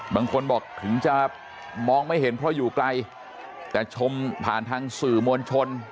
บางคนบอกถึงจะมองไม่เห็นเพราะอยู่ไกลแต่ชมผ่านทางสื่อมวลชน